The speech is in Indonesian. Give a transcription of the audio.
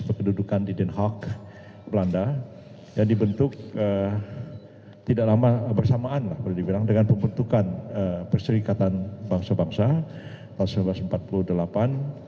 berkedudukan di den haag belanda yang dibentuk tidak lama bersamaan dengan pembentukan perserikatan bangsa bangsa tahun seribu sembilan ratus empat puluh delapan